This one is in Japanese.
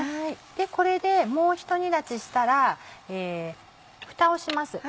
これでもうひと煮立ちしたらふたをします。